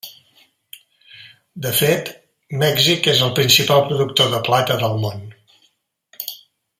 De fet, Mèxic és el principal productor de plata del món.